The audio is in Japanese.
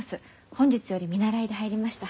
本日より見習いで入りました。